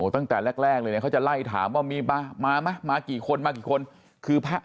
ตั้งแต่แรกเลยเขาจะไล่ถามว่ามีมามามากี่คนมากี่คนคือ